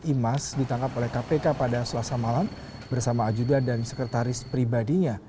imas ditangkap oleh kpk pada selasa malam bersama ajudan dan sekretaris pribadinya